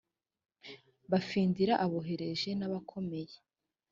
bafindira aboroheje n abakomeye